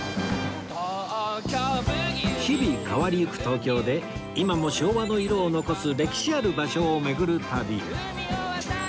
日々変わりゆく東京で今も昭和の色を残す歴史ある場所を巡る旅